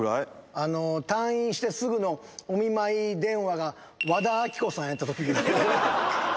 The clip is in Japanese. あの退院してすぐのお見舞い電話が和田アキ子さんやった時ぐらい。